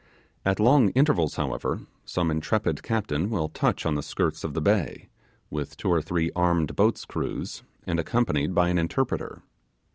At long intervals, however, some intrepid captain will touch on the skirts of the bay, with two or three armed boats' crews and accompanied by interpreters.